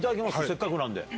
せっかくなんで。